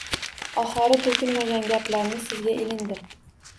Oxori to`kilmagan gaplarni sizga ilindim